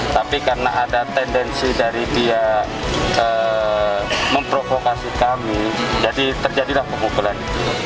tapi karena ada tendensi dari dia memprovokasi kami jadi terjadilah pemukulan